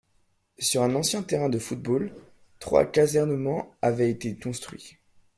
Sur un ancien terrain de football trois casernements avaient été construits.